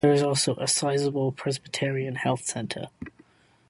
There is also a sizable Presbyterian Health Center.